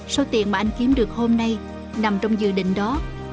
số tiền mà anh kiếm được hôm nay nằm trong dự định đó